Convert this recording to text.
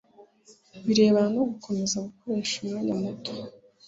birebana no gukomeza gukoresha umwanya muto